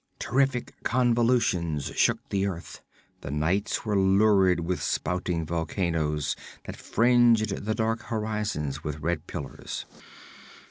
Terrific convulsions shook the earth; the nights were lurid with spouting volcanoes that fringed the dark horizons with red pillars.